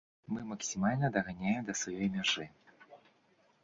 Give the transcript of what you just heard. Мы максімальна даганяем да сваёй мяжы.